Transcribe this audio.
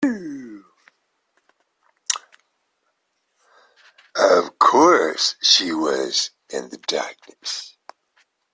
Of course, she was in the darkness.